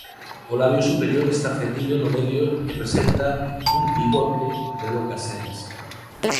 O labio superior está fendido no medio e presenta un "bigote" de longas sedas.